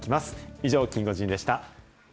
以上、キンゴジンでした。